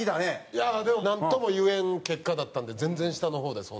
いやあでもなんとも言えん結果だったんで全然下の方です